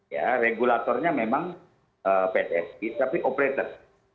ya regulatornya memang pssi tapi operator